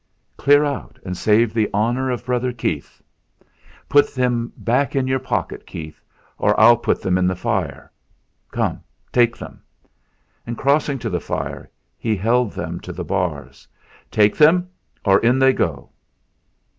"Clear out, and save the honour of brother Keith. Put them back in your pocket, Keith, or I'll put them in the fire. Come, take them!" And, crossing to the fire, he held them to the bars. "Take them, or in they go!"